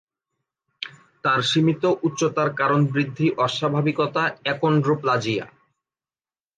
তার সীমিত উচ্চতার কারণ বৃদ্ধি অস্বাভাবিকতা অ্যাকোন্ড্রোপ্লাজিয়া।